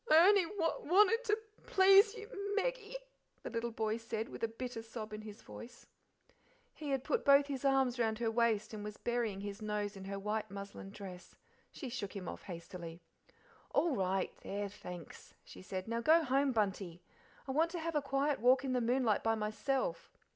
"I only w wanted to p p please you, M M Meggie," the little boy said, with a bitter sob in his voice. He had put both his arms round her waist, and was burying his nose in her white muslin dress. She shook him off hastily. "All right; there thanks," she said. "Now go home, Bunty; I want to have a quiet walk in the moonlight by myself."